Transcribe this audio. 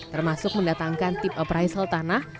termasuk mendatangkan tip apprisel tanah